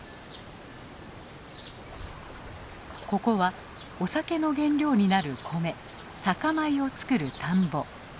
ここはお酒の原料になる米酒米を作る田んぼ。